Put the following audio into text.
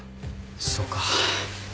そうか。